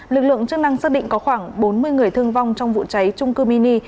lực lượng chức năng xác định có khoảng bốn mươi người thương vong trong vụ cháy trung cư mini